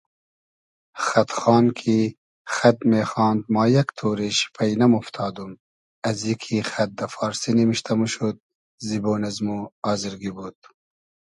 خئد خان کی خئد میخاند ما یئگ تۉرې شی پݷ نئمۉفتادوم ازی کی خئد دۂ فارسی نیمشتۂ موشود زیبۉن از مۉ آزرگی بود